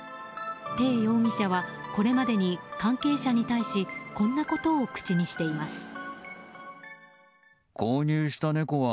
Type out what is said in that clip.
テイ容疑者はこれまでに関係者に対しこんなことを口にしています。